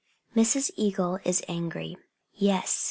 XI MRS. EAGLE IS ANGRY Yes!